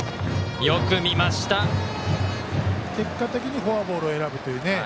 結果的にフォアボールを選ぶという。